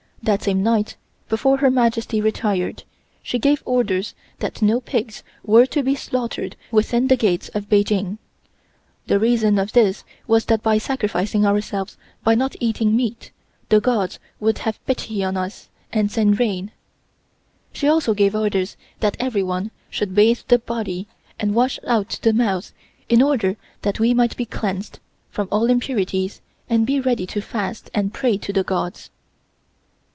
That same night, before Her Majesty retired, she gave orders that no pigs were to be slaughtered within the gates of Peking. The reason of this was that by sacrificing ourselves by not eating meat the Gods would have pity on us and send rain. She also gave orders that everyone should bathe the body and wash out the mouth in order that we might be cleansed from all impurities and be ready to fast and pray to the Gods.